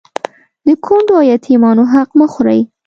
د کونډو او يتيمانو حق مه خورئ